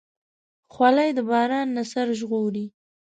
خولۍ د باران نه سر ژغوري.